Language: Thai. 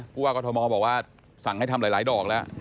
ผู้ว่ากรทมบอกว่าสั่งให้ทำหลายดอกแล้ว